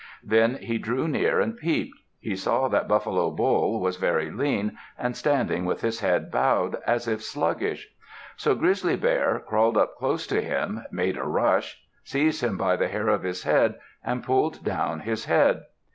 Then he drew near and peeped. He saw that Buffalo Bull was very lean, and standing with his head bowed, as if sluggish. So Grizzly Bear crawled up close to him, made a rush, seized him by the hair of his head, and pulled down his head.